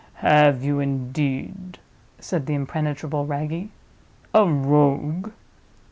"Have you, indeed?" said the impenetrable Wragge. "A Rogue?